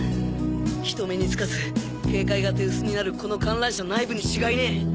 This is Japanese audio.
人目につかず警戒が手薄になるこの観覧車内部に違いねえ